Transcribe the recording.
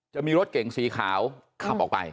จะมีรถเก่งสีขาวขับออกไป